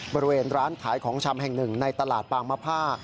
บริเวณร้านขายของชำแห่งหนึ่งในตลาดปางมะผ้า